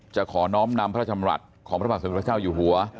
ขอน้อมนำพระจำรัฐของพระบาทสมเด็จพระเจ้าอยู่หัว